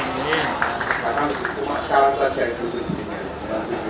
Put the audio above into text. saya akan berterima kasih